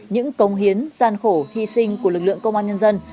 những cống hiến gian khổ hy sinh của lực lượng công an nhân dân